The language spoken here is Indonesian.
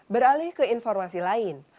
beralih ke informasi lain